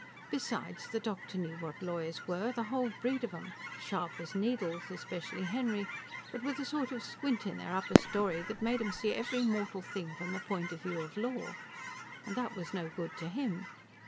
Besides, the doctor knew what lawyers were the whole breed of 'em! Sharp as needles especially Henry but with a sort of squint in their upper storey that made 'em see every mortal thing from the point of view of law. And that was no good to him.